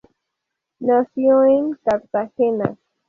Nació en Cartagena.